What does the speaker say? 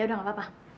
yaudah nggak apa apa